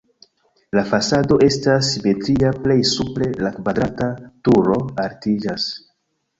La fasado estas simetria, plej supre la kvadrata turo altiĝas.